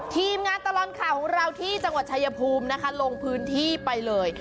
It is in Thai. ทีมงานตลอดข่าวของเราที่จังหวัดชายภูมินะคะลงพื้นที่ไปเลย